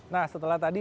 nah setelah tadi